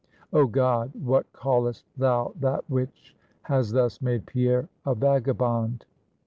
Oh God, what callest thou that which has thus made Pierre a vagabond?"